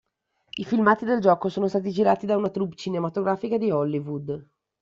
I filmati del gioco sono stati girati da una troupe cinematografica di Hollywood.